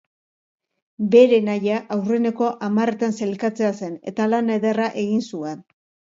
Bere nahia aurreneko hamarretan sailkatzea zen eta lan ederra egin zuen.